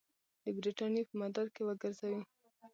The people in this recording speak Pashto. د برټانیې په مدار کې وګرځوي.